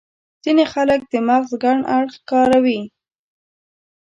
ځينې خلک د مغز کڼ اړخ کاروي.